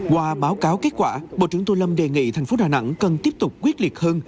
qua báo cáo kết quả bộ trưởng tô lâm đề nghị thành phố đà nẵng cần tiếp tục quyết liệt hơn